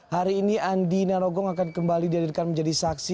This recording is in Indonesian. hari ini andi narogong akan kembali dihadirkan menjadi saksi